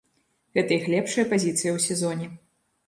Гэта іх лепшая пазіцыя ў сезоне.